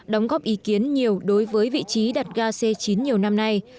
đóng góp ý kiến nhiều đối với vị trí đặt ga c chín nhiều năm nay